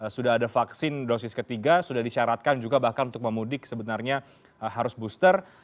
sudah ada vaksin dosis ketiga sudah disyaratkan juga bahkan untuk memudik sebenarnya harus booster